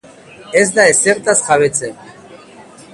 Ez da ezertaz jabetzen.